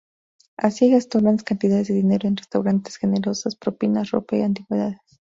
Así, gastó grandes cantidades de dinero en restaurantes, generosas propinas, ropa y antigüedades.